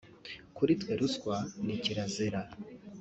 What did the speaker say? kuri twe ruswa ni kirazira”